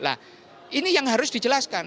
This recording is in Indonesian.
nah ini yang harus dijelaskan